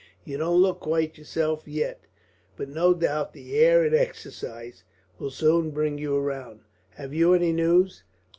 You don't look quite yourself yet, but no doubt the air and exercise will soon bring you round. Have you any news?"